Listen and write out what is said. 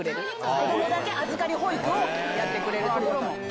子どもだけ預かり保育をやってくれる。